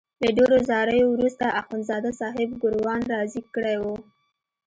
له ډېرو زاریو وروسته اخندزاده صاحب ګوروان راضي کړی وو.